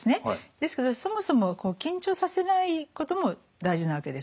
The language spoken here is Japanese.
ですけどそもそも緊張させないことも大事なわけです。